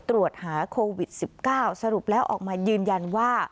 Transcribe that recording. ตรวจหาโควิด๑๙สรุปแล้วออกมายืนยันว่า